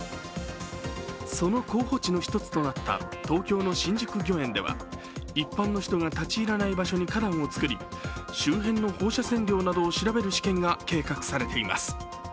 その候補地の一つとなった東京の新宿御苑では一般の人が立ち入らない場所に花壇を作り、周辺の放射線量などを調べる試験が計画されています。